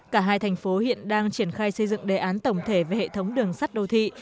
cả hai thành phố hiện đang triển khai xây dựng đề án tổng thể về hệ thống đường sắt đô thị